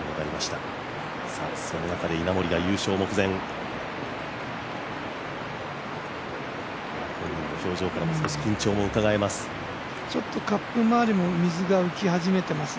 その中で稲森が優勝目前、本人の表情からも少し緊張がうかがえます。